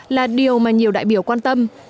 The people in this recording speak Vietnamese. là điều mà nhiều đại biểu quan tâm